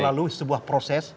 melalui sebuah proyek